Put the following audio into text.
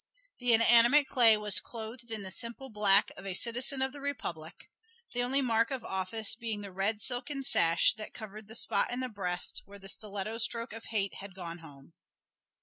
The inanimate clay was clothed in the simple black of a citizen of the Republic; the only mark of office being the red silken sash that covered the spot in the breast where the stiletto stroke of hate had gone home.